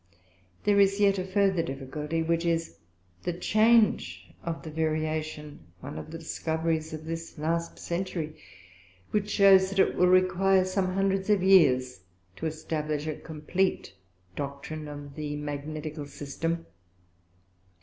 There is yet a further Difficulty, which is the Change of the Variation, one of the Discoveries of this last Century; which shews, that it will require some hundreds of Years to establish a compleat Doctrine of the Magnetical System.